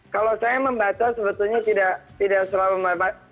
kalau saya membaca sebetulnya tidak selalu membaca